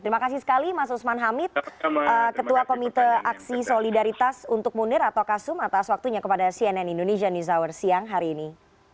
terima kasih sekali mas usman hamid ketua komite aksi solidaritas untuk munir atau kasum atas waktunya kepada cnn indonesia news hour siang hari ini